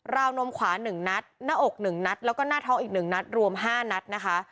วนมขวา๑นัดหน้าอก๑นัดแล้วก็หน้าท้องอีก๑นัดรวม๕นัดนะคะ